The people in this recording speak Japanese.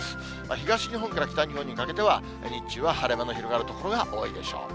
東日本から北日本にかけては、日中は晴れ間の広がる所が多いでしょう。